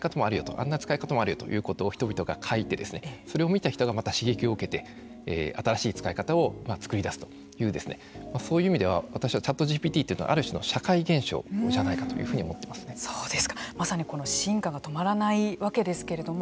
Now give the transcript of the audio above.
あんな使い方もあるよと人々が書いてそれを見た人がまた刺激を受けて新しい使い方を作り出すというそういう意味では私はＣｈａｔＧＰＴというのはある種の社会現象じゃないかまさに進化が止まらないわけですけれども。